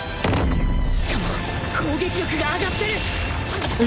しかも攻撃力が上がってる！